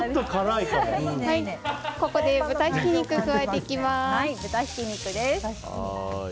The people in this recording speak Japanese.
ここで豚ひき肉加えていきます。